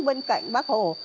bên cạnh bác hồ